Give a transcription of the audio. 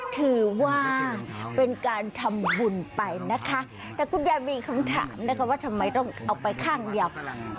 ถือว่าเป็นการทำบุญไปนะคะแต่คุณยายมีคำถามนะคะว่าทำไมต้องเอาไปข้างเดียว